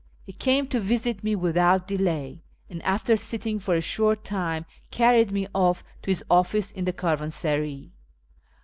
He came to visit me without delay, and after sitting for a short time carried me off to his office in the caravansaray.